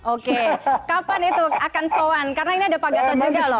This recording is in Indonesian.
oke kapan itu akan soan karena ini ada pak gatot juga loh